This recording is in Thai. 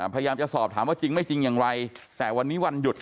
พยายามจะสอบถามว่าจริงไม่จริงอย่างไรแต่วันนี้วันหยุด